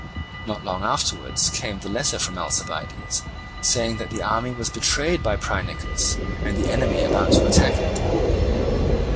Not long afterwards came the letter from Alcibiades, saying that the army was betrayed by Phrynichus, and the enemy about to attack it.